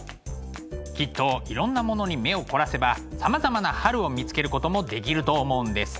きっといろんなものに目を凝らせばさまざまな春を見つけることもできると思うんです。